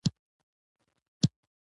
_ پوښتنه دې ونه کړه چې څنګه؟